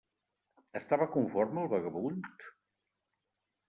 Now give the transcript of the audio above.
Estava conforme el vagabund?